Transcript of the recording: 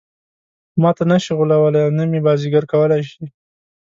ماته نه شي غولولای او نه مې بازيګر کولای شي.